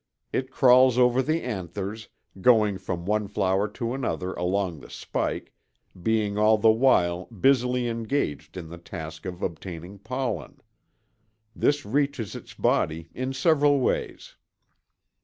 It crawls over the anthers, going from one flower to another along the spike, being all the while busily engaged in the task of obtaining pollen. This reaches its body in several ways.